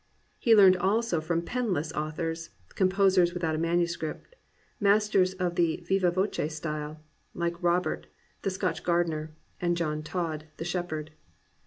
He learned also from penless authors, composers without a manuscript, masters of the viva voce style, like Robert, the Scotch gardener, and John Todd, the shepherd.